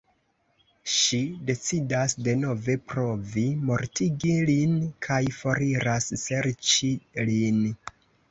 Ŝi decidas denove provi mortigi lin kaj foriras serĉi lin.